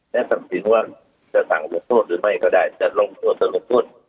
และตัดสินว่าจะสั่ง๖โทษหรือไม่ก็ได้จะลงโทษสรุปโทษ